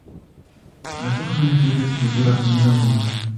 Las hojas son estrechas y figura como una pluma.